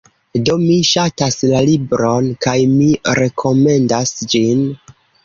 Do, mi ŝatas la libron, kaj mi rekomendas ĝin.